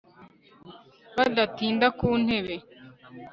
Badatinda ku ntebe